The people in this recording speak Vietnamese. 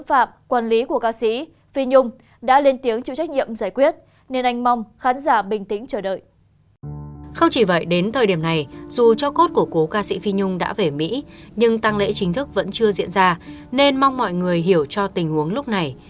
không chỉ vậy đến thời điểm này dù cho cốt của cố ca sĩ phi nhung đã về mỹ nhưng tăng lễ chính thức vẫn chưa diễn ra nên mong mọi người hiểu cho tình huống lúc này